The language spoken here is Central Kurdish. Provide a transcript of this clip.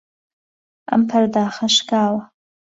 ئەم پەرداخە شکاوە.